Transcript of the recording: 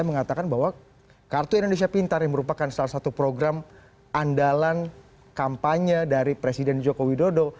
mengatakan bahwa kartu indonesia pintar yang merupakan salah satu program andalan kampanye dari presiden joko widodo